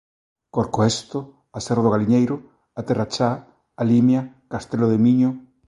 Corcoesto, a serra do Galiñeiro, A Terra Chá, A Limia, Castrelo de Miño...